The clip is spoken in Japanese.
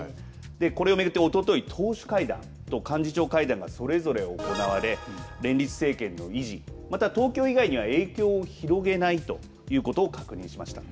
これを巡っておととい党首会談と幹事長会談がそれぞれ行われ連立政権の維持また東京以外にも影響を広げないということを確認しました。